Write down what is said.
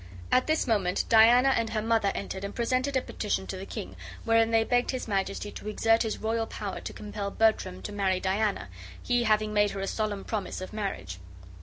At this moment Diana and her mother entered and presented a petition to the king, wherein they begged his Majesty to exert his royal power to compel Bertram to marry Diana, he having made her a solemn promise of marriage.